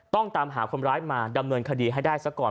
ตามหาคนร้ายมาดำเนินคดีให้ได้ซะก่อน